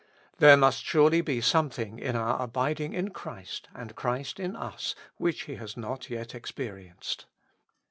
There must surely be some thing in our abiding in Christ and Christ in us, which he has not yet experienced.